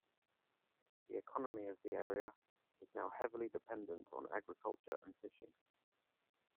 The economy of the area is now heavily dependent on agriculture and fishing.